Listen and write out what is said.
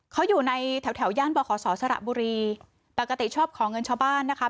เขาอยู่ในแถวแถวย่านบขอสอสระบุรีปกติชอบของเงินชาวบ้านนะคะ